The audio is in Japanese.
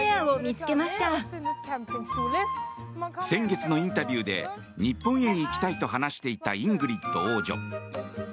先月のインタビューで日本へ行きたいと話していたイングリッド王女。